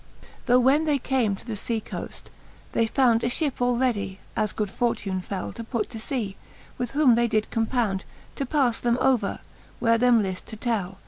Tho when they came to the fea coaft, they found A fhip all readie, as good fortune fell. To put to lea, with whom they did compound, To pafle them over, where them lift to tell.